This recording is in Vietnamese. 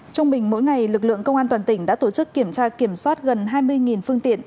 trung bình mỗi ngày lực lượng công an toàn tỉnh đã tổ chức kiểm tra kiểm soát gần hai mươi phương tiện